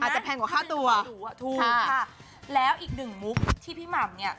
อาจจะแพงกว่าข้าวตัวอะถูกค่ะแล้วอีกหนึ่งมุกที่พิมามเนี่ย